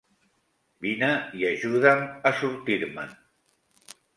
Vine i ajuda'm a sortir-me'n!